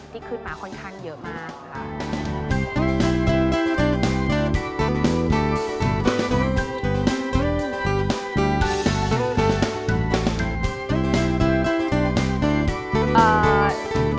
ที่ขึ้นมาค่อนข้างเยอะมากค่ะ